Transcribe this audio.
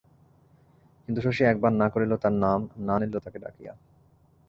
কিন্তু শশী একবার না করিল তার নাম, না আনিল তাকে ডাকিয়া।